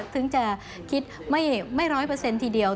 ถึงจะคิดไม่ร้อยเปอร์เซ็นต์ทีเดียว